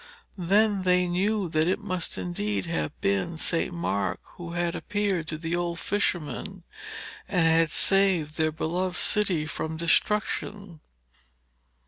Then they knew that it must indeed have been St. Mark who had appeared to the old fisherman, and had saved their beloved city from destruction.